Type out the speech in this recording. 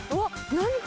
何か。